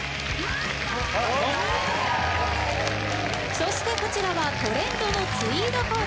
そしてこちらはトレンドのツイードコーデ。